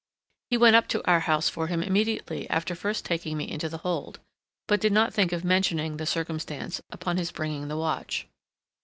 He went up to our house for him immediately after first taking me into the hold, but did not think of mentioning the circumstance upon his bringing the watch.